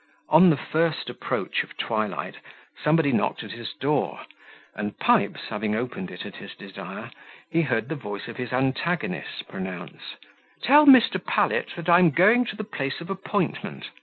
On the first approach of twilight, somebody knocked at his door, and Pipes having opened it at his desire, he heard the voice of his antagonist pronounce, "Tell Mr. Pallet that I am going to the place of appointment."